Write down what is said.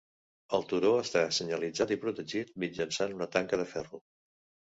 El turó està senyalitzat i protegit mitjançant una tanca de ferro.